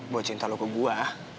buat cinta lu ke gua